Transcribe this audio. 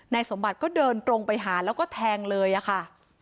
สมบัติก็เดินตรงไปหาแล้วก็แทงเลยอะค่ะ